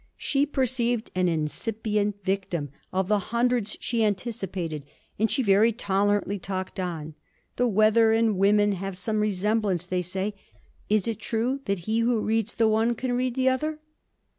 She perceived an incipient victim, of the hundreds she anticipated, and she very tolerantly talked on: 'The weather and women have some resemblance they say. Is it true that he who reads the one can read the other?'